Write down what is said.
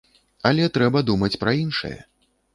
Але трэба думаць пра іншае.